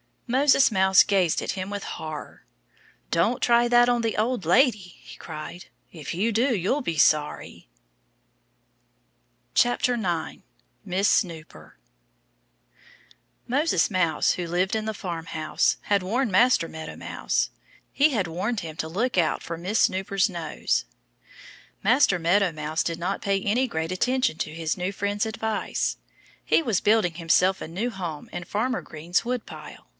Moses Mouse gazed at him with horror. "Don't try that on the old lady!" he cried. "If you do, you'll be sorry." 9 Miss Snooper MOSES MOUSE, who lived in the farmhouse, had warned Master Meadow Mouse. He had warned him to look out for Miss Snooper's nose. Master Meadow Mouse did not pay any great attention to his new friend's advice. He was building himself a new home in Farmer Green's woodpile.